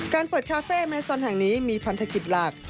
การเปิดคาเฟ่แมซอนแห่งนี้มีพันธกิจหลัก